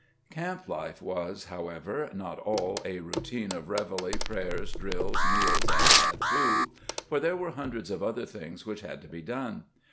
Camp life was, however, not all a routine of reveille, prayers, drills, meals, and tat too for there were hundreds of other things which had to be done.